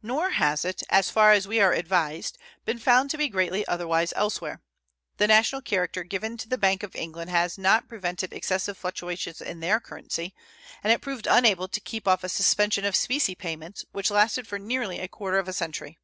Nor has it, as far as we are advised, been found to be greatly otherwise elsewhere. The national character given to the Bank of England has not prevented excessive fluctuations in their currency, and it proved unable to keep off a suspension of specie payments, which lasted for nearly a quarter of a century.